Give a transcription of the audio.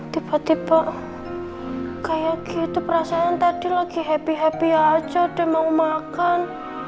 tiba tiba kayak gitu perasaan tadi lagi happy happy aja dia mau makan